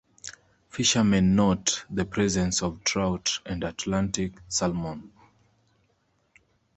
Fishermen note the presence of trout and atlantic salmon.